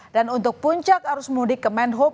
dan untuk puncak arus mudik ke menhop